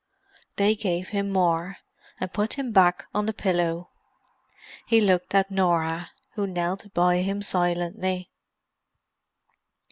They gave him more, and put him back on the pillow. He looked at Norah, who knelt by him silently.